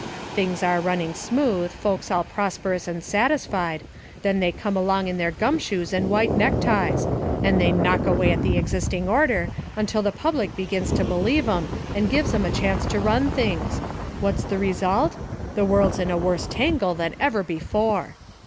Things are running smooth, folks all prosperous and satisfied then they come along in their gum shoes and white neckties. And they knock away at the existing order until the public begins to believe 'em and gives 'em a chance to run things. What's the result? The world's in a worse tangle than ever before."